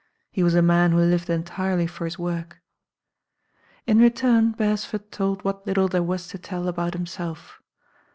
He was a man who lived entirely for his work. In return Beresford told what little there was to tell about himself.